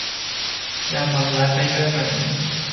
อยากทำร้ายไปด้วยไหม